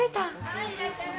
はい、いらっしゃいませ！